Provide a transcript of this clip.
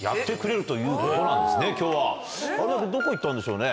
有田君どこ行ったんでしょうね